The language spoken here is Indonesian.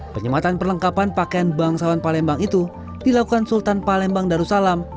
penyematan perlengkapan pakaian bangsawan palembang itu dilakukan sultan palembang darussalam